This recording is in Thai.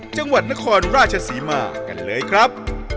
จังหวัดนครราชศรีมากันเลยครับ